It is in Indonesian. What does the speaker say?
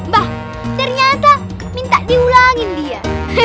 mbah ternyata minta diulangin dia